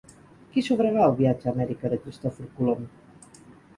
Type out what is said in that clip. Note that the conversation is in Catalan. Qui sufragà el viatge a Amèrica de Cristòfor Colom?